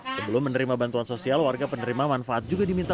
sebelum menerima bantuan sosial warga penerima manfaat juga diminta